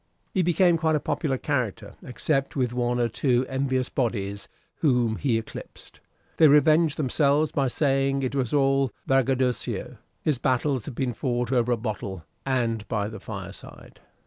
He became quite a popular character, except with one or two envious bodies, whom he eclipsed; they revenged themselves by saying it was all braggadocio: his battles had been fought over a bottle, and by the fireside.